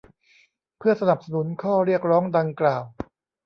เพื่อสนับสนุนข้อเรียกร้องดังกล่าว